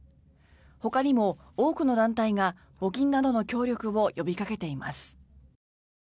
ほかにも多くの団体が募金などの協力を呼びかけています。